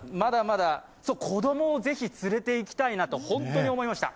そう、子供をぜひ連れていきたいなと本当に思いました。